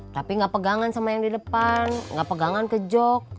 tapi nggak pegangan sama yang di depan nggak pegangan ke jok